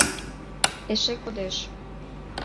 Эше кодеш.